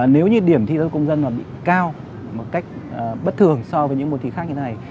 nếu như điểm thi giáo công dân mà bị cao một cách bất thường so với những môn thi khác như thế này